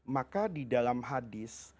maka di dalam hadis